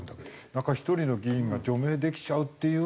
なんか１人の議員が除名できちゃうっていうのは。